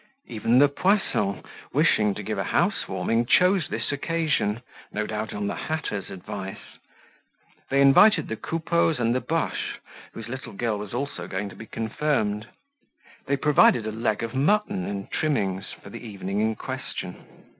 Even the Poissons, wishing to give a house warming, chose this occasion, no doubt on the hatter's advice. They invited the Coupeaus and the Boches, whose little girl was also going to be confirmed. They provided a leg of mutton and trimmings for the evening in question.